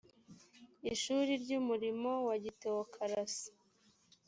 ishuri ry umurimo wa gitewokarasi